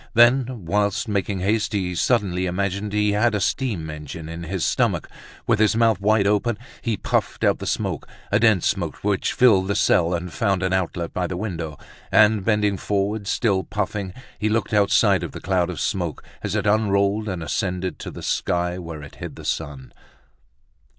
Then, whilst making haste, he suddenly imagined he had a steam engine in his stomach; with his mouth wide open, he puffed out the smoke, a dense smoke which filled the cell and found an outlet by the window; and, bending forward, still puffing, he looked outside of the cloud of smoke as it unrolled and ascended to the sky, where it hid the sun.